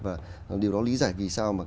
và điều đó lý giải vì sao mà